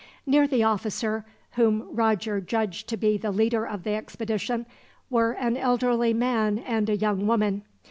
Near the officer, whom Roger judged to be the leader of the expedition, were an elderly man and a young woman.